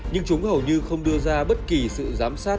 nhưng chúng hầu như không đưa ra bất kỳ sự giám sát